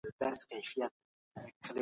کار باید د ژوند واکمن نه شي.